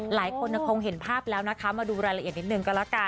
หลายคนคงเห็นภาพแล้วนะคะมาดูรายละเอียดนิดนึงก็แล้วกัน